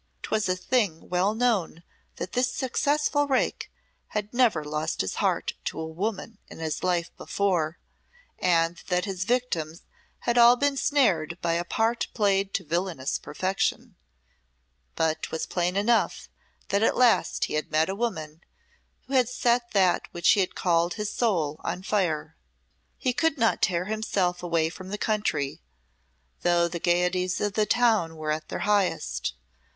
'Twas a thing well known that this successful rake had never lost his heart to a woman in his life before, and that his victims had all been snared by a part played to villanous perfection; but 'twas plain enough that at last he had met a woman who had set that which he called his soul on fire. He could not tear himself away from the country, though the gayeties of the town were at their highest.